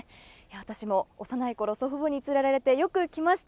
私も幼い頃祖父母に連れられてよく来ました。